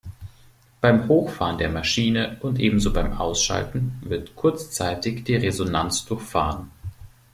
Beim Hochfahren der Maschine und ebenso beim Ausschalten wird kurzzeitig die Resonanz durchfahren.